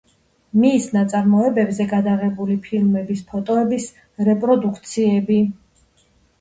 მის ნაწარმოებებზე გადაღებული ფილმების ფოტოების რეპროდუქციები.